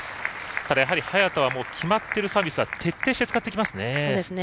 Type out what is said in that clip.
ただ、早田は決まっているサービスは徹底して使ってきますね。